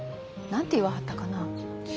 何て言わはったかな？